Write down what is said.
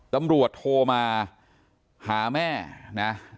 ตำรวจโทรมาหาแม่นะ